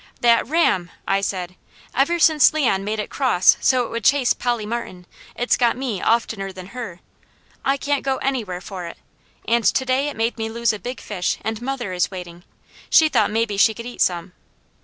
"That ram!" I said. "Ever since Leon made it cross so it would chase Polly Martin, it's got me oftener than her. I can't go anywhere for it, and to day it made me lose a big fish, and mother is waiting. She thought maybe she could eat some."